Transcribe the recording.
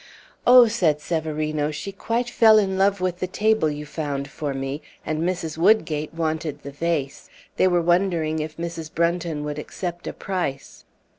"Oh," said Severino, "she quite fell in love with the table you found for me, and Mrs. Woodgate wanted the vase. They were wondering if Mrs. Brunton would accept a price."